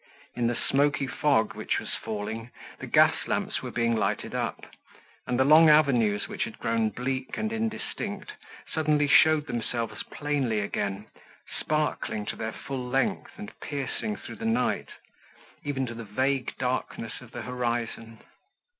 In the smoky fog which was falling, the gas lamps were being lighted up; and the long avenues, which had grown bleak and indistinct, suddenly showed themselves plainly again, sparkling to their full length and piercing through the night, even to the vague darkness of the horizon.